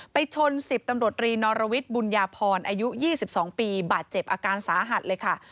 ไปชน๑๐ตำรวจรีนอรวิทย์บุญญาพรอายุ๒๒ปีบาดเจ็บอาการสาหัสเลยค่ะ